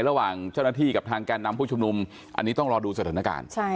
ระหว่างเจ้าหน้าที่กับทางแกนนำผู้ชุมนุมอันนี้ต้องรอดูสถานการณ์